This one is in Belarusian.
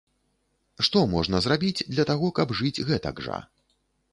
Што можна зрабіць для таго, каб жыць гэтак жа?